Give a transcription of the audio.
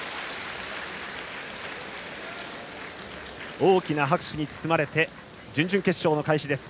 大きな拍手に包まれて準々決勝の開始です。